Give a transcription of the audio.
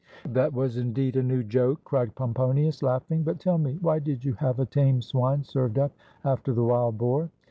"That is indeed a new joke," cried Pomponius, laughing; "but tell me, why did you have a tame swine served up after the wild boar?"